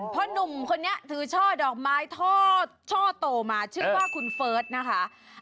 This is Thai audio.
เพราะหนุ่มคนนี้ถือช่อดอกไม้ท่อโตมาชื่อว่าคุณเฟิร์สนะคะ